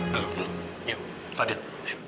kamilah dulu yuk fadil